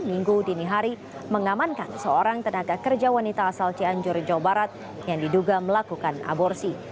minggu dini hari mengamankan seorang tenaga kerja wanita asal cianjur jawa barat yang diduga melakukan aborsi